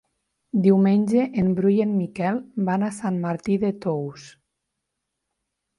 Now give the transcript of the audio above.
Diumenge en Bru i en Miquel van a Sant Martí de Tous.